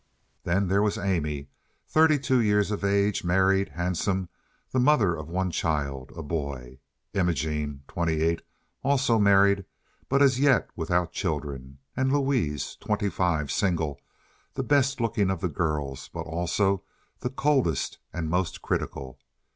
Then there was Amy, thirty two years of age, married, handsome, the mother of one child—a boy; Imogene, twenty eight, also married, but as yet without children, and Louise, twenty five, single, the best looking of the girls, but also the coldest and most critical.